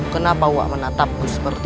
kenapa wak menatapku seperti itu